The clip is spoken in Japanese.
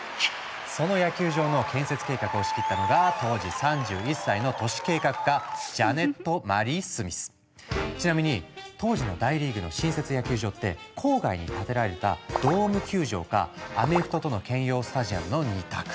その野球場の建設計画を仕切ったのがちなみに当時の大リーグの新設野球場って郊外に建てられたドーム球場かアメフトとの兼用スタジアムの２択。